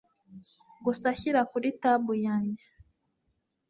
gusa shyira kuri tab yanjye